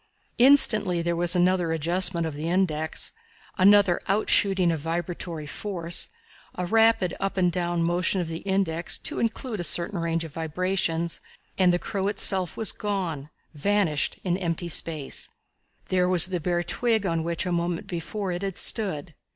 Instantly there was another adjustment of the index, another outshooting of vibratory force, a rapid up and down motion of the index to include a certain range of vibrations, and the crow itself was gone vanished in empty space! There was the bare twig on which a moment before it had stood.